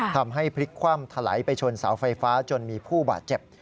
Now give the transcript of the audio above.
ทำให้พลิกคว่ำถลายไปชนเสาไฟฟ้าจนมีผู้บาดเจ็บ